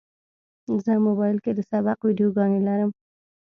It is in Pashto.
زه موبایل کې د سبق ویډیوګانې لرم.